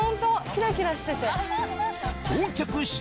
キラキラしてて。